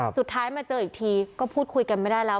สุดท้ายมาเจออีกทีก็พูดคุยกันไม่ได้แล้ว